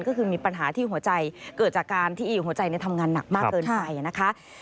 ก็คือมีปัญหาที่หัวใจเกิดจากการที่หัวใจทำงานหนักมากเกินไปนะคะ